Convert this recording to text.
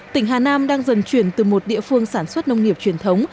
tỉnh hà nam đang dần chuyển từ một địa phương sản xuất nông nghiệp truyền thống